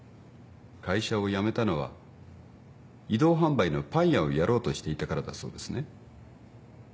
会社を辞めたのは移動販売のパン屋をやろうとしていたからだそうですね。